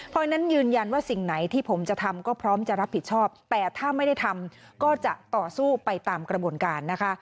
เพราะฉะนั้นยืนยันว่าสิ่งไหนที่ผมจะทำก็พร้อมจะรับผิดชอบแต่ถ้าไม่ได้ทำก็จะต่อสู้ไปตามกระบวนการนะคะ